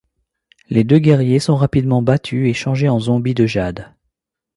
Les deux guerriers sont rapidement battus et changés en zombie de jade.